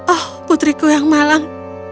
oh putriku yang malang